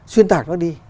xuyên tạc nó đi